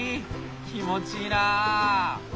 気持ちいいな！